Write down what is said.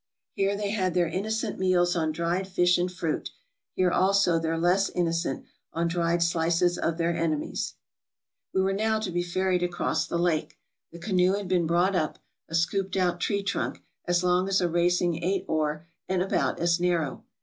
Here they had their innocent meals on dried fish and fruit, here also their less innocent, on dried slices of their enemies. We were now to be ferried across the lake. The canoe had been brought up — a scooped out tree trunk, as long as a racing eight oar and about as narrow.